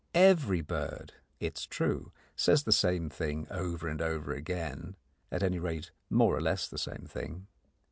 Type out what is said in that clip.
Every bird, it is true, says the same thing over and over again at any rate, more or less the same thing.